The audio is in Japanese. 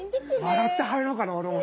笑って入ろうかな俺も。